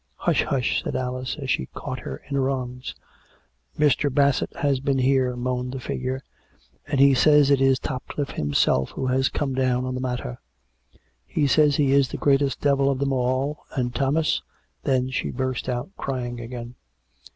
" Hush ! hush !" said Alice, as she caught her in her arms. COME RACK! COME ROPE! 225 " Mr. Bassett has been here," moaned the figure, " and he says it is Topcliffe himself who has come down on the matter. ... He says he is the greatest devil of them all; and Thomas " Then she burst out crying again.